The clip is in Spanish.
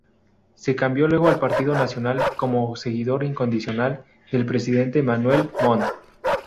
Se cambió luego al Partido Nacional, como seguidor incondicional del presidente Manuel Montt.